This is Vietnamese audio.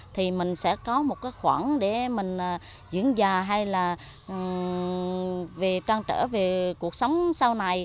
thì mình sẽ có một khoảng để mình diễn già hay là trang trở về cuộc sống sau này